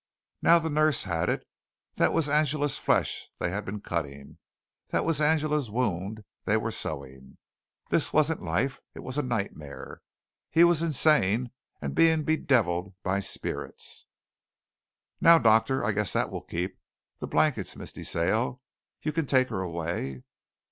Now the nurse had it. That was Angela's flesh they had been cutting. That was Angela's wound they were sewing. This wasn't life. It was a nightmare. He was insane and being bedeviled by spirits. "Now, doctor, I guess that will keep. The blankets, Miss De Sale. You can take her away."